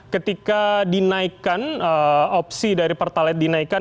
ketika dinaikkan opsi dari pertalite dinaikkan